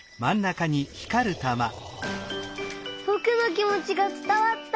ぼくのきもちがつたわった！